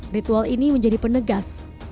ritual ini menjadi penegas